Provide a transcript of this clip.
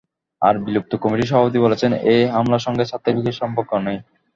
আর বিলুপ্ত কমিটির সভাপতি বলেছেন, এই হামলার সঙ্গে ছাত্রলীগের সম্পর্ক নেই।